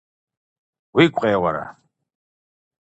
– Уигу къеуэрэ?